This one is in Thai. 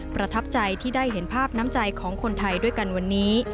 ประทับใจที่ได้เห็นภาพน้ำใจของคนไทยด้วยกันวันนี้